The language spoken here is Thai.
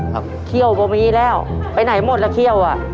ครับเคี่ยวบะมี่แล้วไปไหนหมดแล้วเคี่ยวอ่ะ